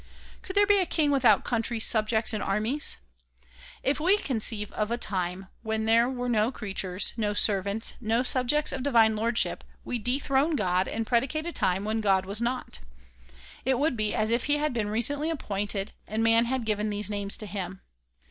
Could there be a king without country, subjects and armies ? If we conceive of a time when there were no creatures, no servants, no subjects of divine lordship we dethrone God and predi cate a time when God was not. It would be as if he had been recently appointed and man had given these names to him.